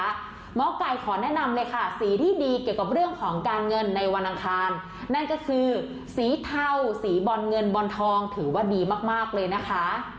หมอไก่ขอแนะนำเลยค่ะสีที่ดีเกี่ยวกับเรื่องของการเงินในวันอังคารนั่นก็คือสีเทาสีบอลเงินบอลทองถือว่าดีมากเลยนะคะ